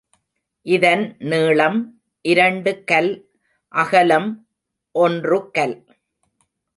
இதன் நீளம் இரண்டு கல் அகலம் ஒன்று கல்.